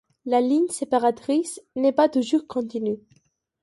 La ligne séparatrice n'est pas toujours continue.